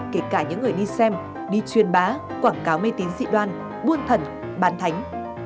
kể cả những người đi xem đi truyền bá quảng cáo mê tín dị đoan buôn thần bán thánh